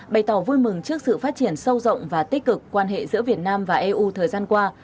bày tỏ vui mừng trước sự phát triển sâu rộng và tích cực quan hệ giữa việt nam và eu thời gian qua